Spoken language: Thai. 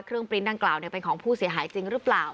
เครื่องปรินท์ด้านกล่าวเนี่ยเป็นของผู้เสียหายจริงหรือเปล่า